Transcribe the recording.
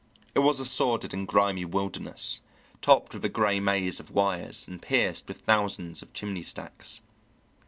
It was a sordid and grimy wilderness, topped with a gray maze of wires and pierced with thousands of chimney stacks.